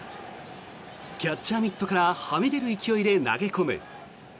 キャッチャーミットからはみ出る勢いで投げ込む。